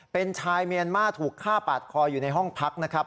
เป็นชายเมียนมาร์ถูกฆ่าปาดคออยู่ในห้องพักนะครับ